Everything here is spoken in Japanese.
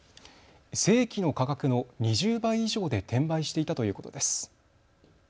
正規の価格の２０倍以上で転売していたということです。